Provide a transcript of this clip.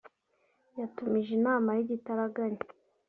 yatumije inama y’igitaraganya